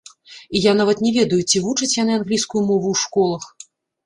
І я нават не ведаю, ці вучаць яны англійскую мову ў школах.